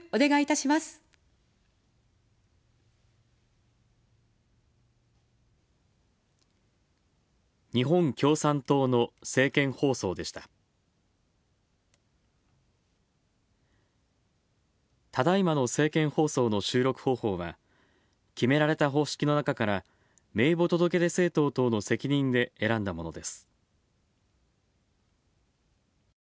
ただいまの政見放送の収録方法は、決められた方式の中から名簿届出政党等の責任で選んだものです。